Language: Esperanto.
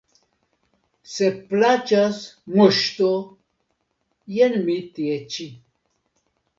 Se plaĉas, Moŝto, jen mi tie ĉi.